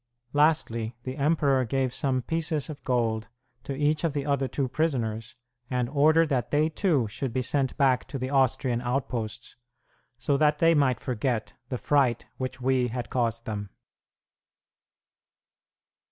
Lastly, the emperor gave some pieces of gold to each of the other two prisoners, and ordered that they too should be sent back to the Austrian outposts, so that they might forget the fright which we had caused them.